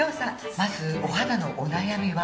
まずお肌のお悩みは？